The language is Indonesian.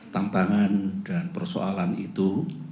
tantangan dan persoalan itu